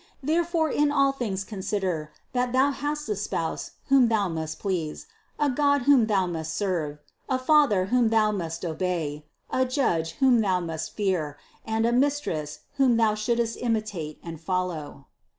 Therefore in all things consider, that thou hast a Spouse, whom thou must please, a God, whom thou must serve, a Father, whom thou must obey, a Judge, whom thou must fear, and a Mistress, whom thou shouldst imitate and follow.